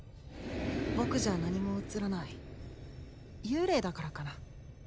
僕じゃ何も映らない幽霊だからかな